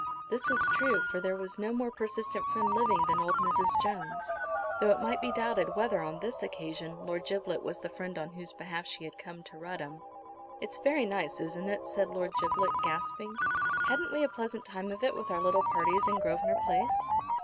This was true, for there was no more persistent friend living than old Mrs. Jones, though it might be doubted whether, on this occasion, Lord Giblet was the friend on whose behalf she had come to Rudham. "It's very nice, isn't it?" said Lord Giblet, gasping. "Hadn't we a pleasant time of it with our little parties in Grosvenor Place?"